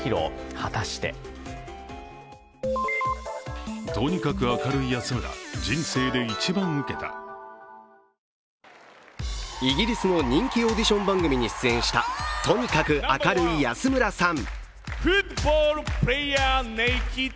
果たしてイギリスの人気オーディション番組に出演したとにかく明るい安村さん。